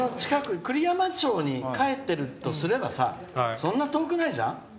栗山町に帰ってるとすればそんな遠くないじゃん。